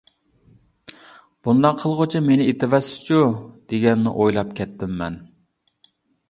بۇنداق قىلغۇچە مېنى ئېتىۋەتسىچۇ، دېگەننى ئويلاپ كەتتىم مەن.